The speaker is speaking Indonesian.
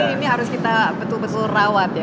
ini harus kita betul betul rawat ya